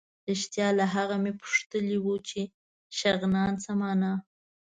رښتیا له هغه مې پوښتلي وو چې شغنان څه مانا.